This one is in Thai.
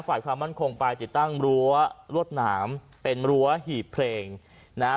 ฝ่ายความมั่นคงไปติดตั้งรั้วรวดหนามเป็นรั้วหีบเพลงนะฮะ